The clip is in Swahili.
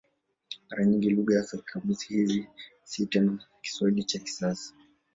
Mara nyingi lugha ya kamusi hizi si tena Kiswahili cha kisasa.